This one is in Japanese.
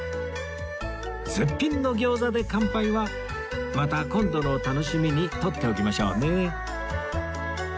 絶品のギョーザで乾杯はまた今度の楽しみに取っておきましょうね